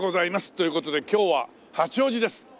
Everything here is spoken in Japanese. という事で今日は八王子です。